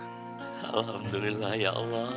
alhamdulillah ya allah